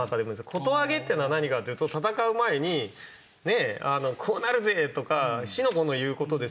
「言挙げ」っていうのは何かというと戦う前に「こうなるぜ」とか四の五の言うことですよ。